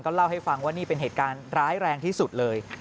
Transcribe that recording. เล่าให้ฟังว่านี่เป็นเหตุการณ์ร้ายแรงที่สุดเลย